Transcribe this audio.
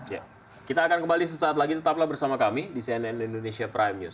ya kita akan kembali sesaat lagi tetaplah bersama kami di cnn indonesia prime news